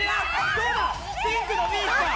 どうだ